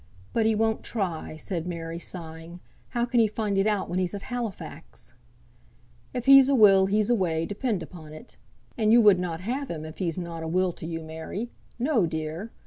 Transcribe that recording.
"But he won't try," said Mary, sighing. "How can he find it out when he's at Halifax?" "If he's a will he's a way, depend upon it. And you would not have him if he's not a will to you, Mary! No, dear!"